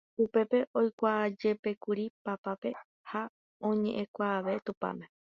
Upépe oikuaajepékuri Pápape ha oñekuaveʼẽ Tupãme.